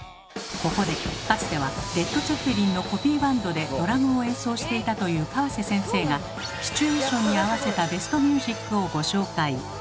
ここでかつてはレッド・ツェッペリンのコピーバンドでドラムを演奏していたという河瀬先生がシチュエーションに合わせたベストミュージックをご紹介。